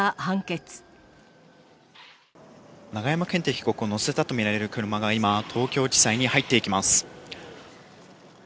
被告を乗せたと見られる車が今、東京地裁に入っていきます。